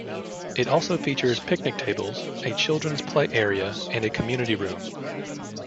It also features picnic tables, a children's play area and a community room.